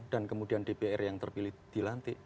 dan kemudian dpr yang terpilih dilantik